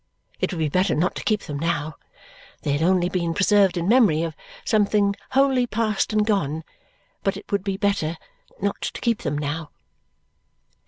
It would be better not to keep them now. They had only been preserved in memory of something wholly past and gone, but it would be better not to keep them now.